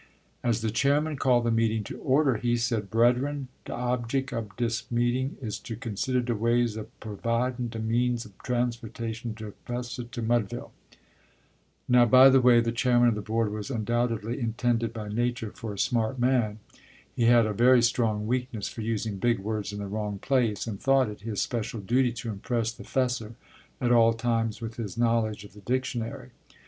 As the chairman called the meeting to order, he said: "Brederen, de objick ob dis meeting is to consider de ways ob pervidin de means ob transposin de 'fessar to Mudville." Now, by the way, the chairman of the Board was undoubtedly intended by nature for a smart man. He had a very strong weakness for using big words in the wrong place, and thought it his special duty to impress the "'fessar" at all times with his knowledge of the dictionary.